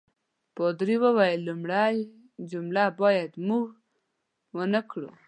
پادري وویل لومړی حمله باید موږ ونه کړو.